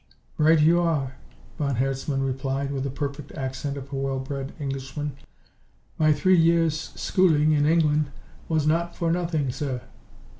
"Right you are!" von Herzmann replied with the perfect accent of a well bred Englishman. "My three years' schooling in England was not for nothing, sir.